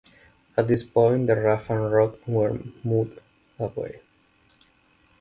At this point the raft and rock were moved away.